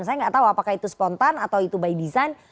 saya nggak tahu apakah itu spontan atau itu by design